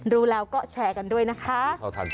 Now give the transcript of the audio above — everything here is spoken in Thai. รู้แล้วก็แชร์กันด้วยนะคะ